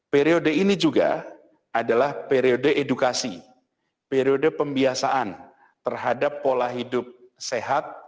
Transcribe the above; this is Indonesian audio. periode ini juga adalah periode edukasi periode pembiasaan terhadap pola hidup sehat